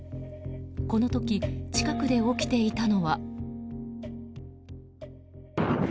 この時、近くで起きていたのは。